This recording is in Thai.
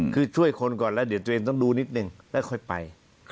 คือช่วยคนก่อนแล้วเดี๋ยวตัวเองต้องดูนิดนึงแล้วค่อยไป